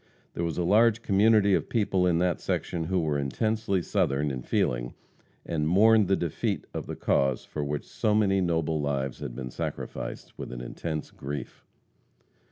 There was a large community of people in that section who were intensely Southern in feeling, and mourned the defeat of the cause for which so many noble lives had been sacrificed, with an intense grief.